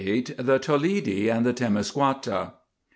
THE TOLEDI AND TEMISCOUATA.